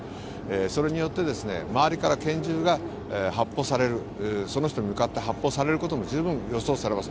それによって周りから拳銃が発砲されるその人に向かって発砲されることも十分、予想されます。